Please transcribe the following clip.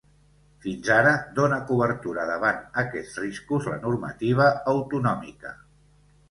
Fins ara dóna cobertura davant aquests riscos la normativa autonòmica.